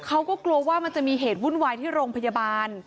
เขาก็กลัวว่ามันจะมีเหตุวุ่นวายที่โรงพยาบาล